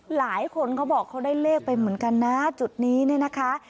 หลายคนเขาบอกเขาได้เลขไปเหมือนกันนะจุดนี้เนี่ยนะคะ